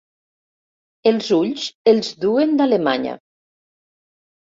Els ulls els duen d'Alemanya.